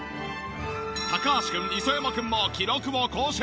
高橋くん磯山くんも記録を更新！